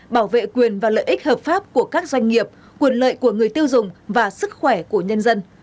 bảo vệ quyền và lợi ích hợp pháp của các doanh nghiệp quyền lợi của người tiêu dùng và sức khỏe của nhân dân